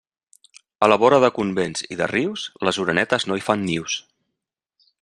A la vora de convents i de rius, les orenetes no hi fan nius.